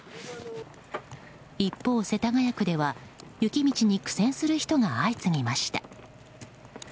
一方、世田谷区では雪道に苦戦する人が相次ぎました。